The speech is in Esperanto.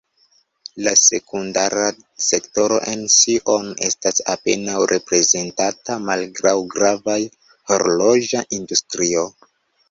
La sekundara sektoro en Sion estas apenaŭ reprezentata malgraŭ grava horloĝa industrio.